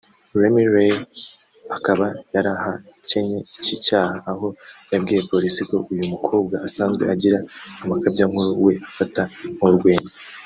Lemley akaba yarahakenye iki cyaha aho yabwiye polisi ko uyu mukobwa asanzwe agira amakabyankuru we afata nk’urwenya